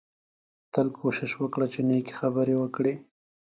تل کوشش وکړه چې نېکې خبرې وکړې